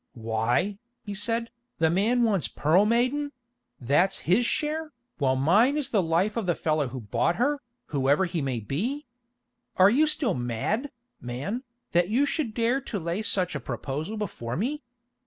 "Why," he said, "the man wants Pearl Maiden; that's his share, while mine is the life of the fellow who bought her, whoever he may be. Are you still mad, man, that you should dare to lay such a proposal before me?